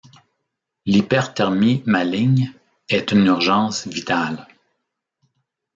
L'hyperthermie maligne est une urgence vitale.